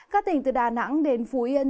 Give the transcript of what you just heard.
các tỉnh từ đà nẵng đến phú yên